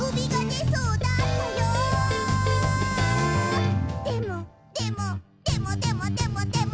でも、でも、でもでもでもでも」